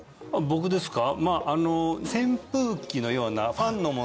僕ですか？